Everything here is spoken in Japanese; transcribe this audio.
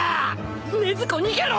禰豆子逃げろ！